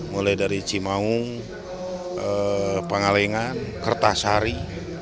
mulai dari cimahung pengalengan kertas sari